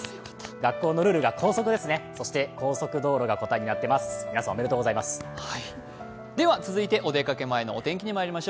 学校のルールが校則ですね、そして高速道路が答えになっています。